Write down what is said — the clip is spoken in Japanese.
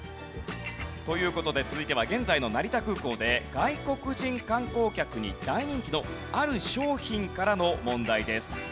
という事で続いては現在の成田空港で外国人観光客に大人気のある商品からの問題です。